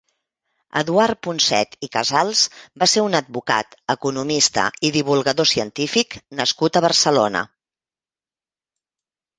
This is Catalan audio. Eduard Punset i Casals va ser un advocat, economista i divulgador científic nascut a Barcelona.